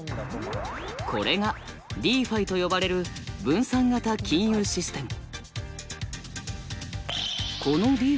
これがＤｅＦｉと呼ばれる分散型金融システム。